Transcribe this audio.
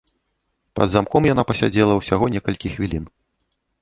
Пад замком яна пасядзела ўсяго некалькі хвілін.